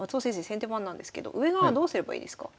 先手番なんですけど上側どうすればいいですか？